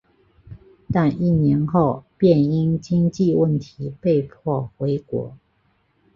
但一年后便因经济问题被迫回国。